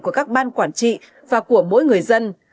của các ban quản trị và của mỗi người dân